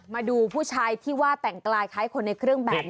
มาดูผู้ชายที่ว่าแต่งกลายคล้ายคนในเครื่องแบบ